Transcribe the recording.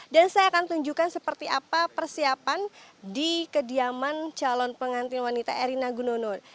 dan saya akan tunjukkan seperti apa persiapan di kediaman calon pengantin wanita erina gununo